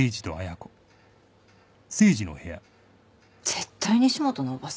絶対西本のおばさんよ。